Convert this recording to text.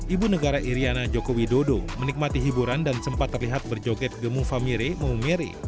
ibu negara iryana joko widodo menikmati hiburan dan sempat terlihat berjoget gemung famire maumere